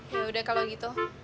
yaudah kalo gitu